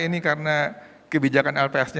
ini karena kebijakan lps nya